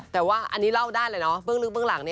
แต่ว่าอันนี้เล่าได้เลยเนาะเบื้องลึกเบื้องหลัง